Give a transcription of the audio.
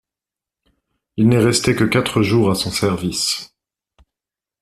Il n’est resté que quatre jours à son service.